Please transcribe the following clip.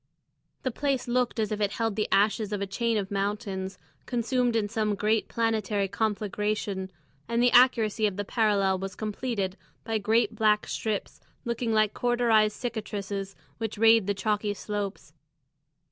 The place looked as if it held the ashes of a chain of mountains, consumed in some great planetary conflagration, and the accuracy of the parallel was completed by great black strips looking like cauterised cicatrices which rayed the chalky slopes.